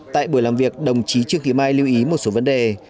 tại buổi làm việc đồng chí trương thị mai lưu ý một số vấn đề